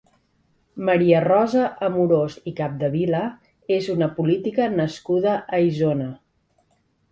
Maria Rosa Amorós i Capdevila és una política nascuda a Isona.